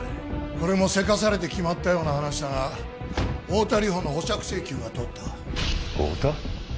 これもせかされて決まったような話だが太田梨歩の保釈請求が通った太田？